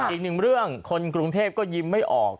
อีกหนึ่งเรื่องคนกรุงเทพก็ยิ้มไม่ออก